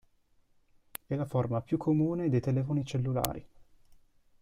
È la forma più comune dei telefoni cellulari.